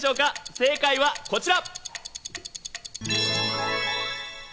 正解はこちら。